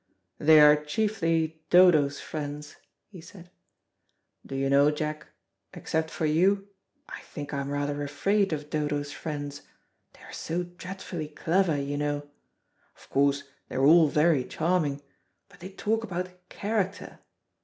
"They are chiefly Dodo's friends," he said. "Do you know, Jack, except for you, I think I am rather afraid of Dodo's friends, they are so dreadfully clever, you know. Of course they are all very charming, but they talk about character.